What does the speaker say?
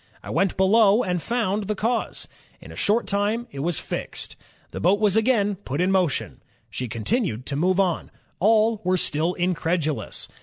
... I went below and found ... the cause. ... In a short time it was fixed. The boat was again put in motion. She continued to move on. All were still incredulous.